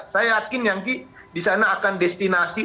saya yakin yang ki di sana akan destinasi